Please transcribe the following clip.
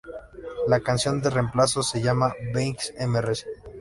La canción de reemplazo se llama "Being Mrs.